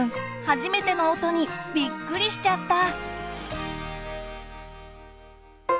初めての音にびっくりしちゃった！